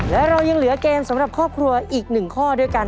และเรายังเหลือเกมสำหรับครอบครัวอีก๑ข้อด้วยกัน